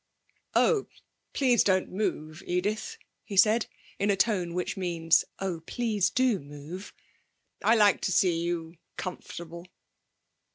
'Oh, please don't move, Edith,' he said, in the tone which means, 'Oh, please do move.' 'I like to see you comfortable.'